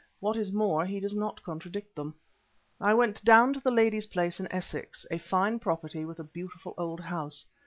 What is more, he does not contradict them. I went down to the lady's place in Essex, a fine property with a beautiful old house.